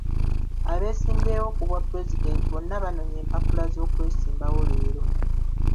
Abeesimbyewo ku bwa pulezidenti bonna banonye empapula z'okwesimbawo leero.